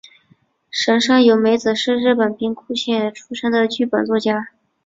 神山由美子是日本兵库县出身的剧本作家。